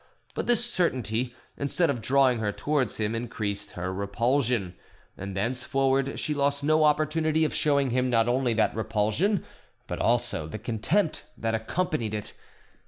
But this certainty, instead of drawing her towards him, increased her repulsion; and thenceforward she lost no opportunity of showing him not only that repulsion but also the contempt that accompanied it.